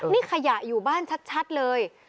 นี่ขยะอยู่บ้านชัดเลย